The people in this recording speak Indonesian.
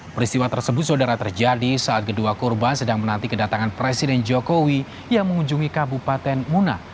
peristiwa tersebut saudara terjadi saat kedua korban sedang menanti kedatangan presiden jokowi yang mengunjungi kabupaten muna